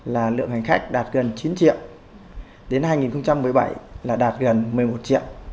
hai nghìn một mươi sáu là lượng hành khách đạt gần chín triệu đến hai nghìn một mươi bảy là đạt gần một mươi một triệu